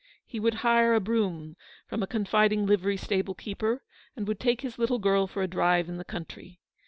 He would hire a brougham from a confiding livery stable keeper, and would take his little girl for a drive in the country.